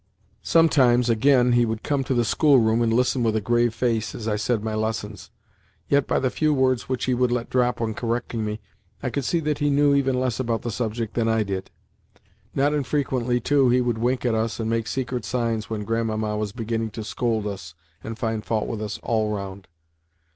Sometimes, again, he would come to the schoolroom and listen with a grave face as I said my lessons; yet by the few words which he would let drop when correcting me, I could see that he knew even less about the subject than I did. Not infrequently, too, he would wink at us and make secret signs when Grandmamma was beginning to scold us and find fault with us all round.